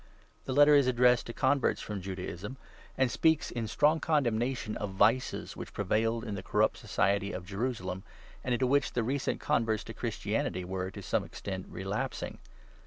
The Letter is addressed to converts from Judaism, and speaks, in strong condemnation, of vices which prevailed in the corrupt society of Jerusalem, and into which the recent converts to Christianity were, to some extent, relapsing.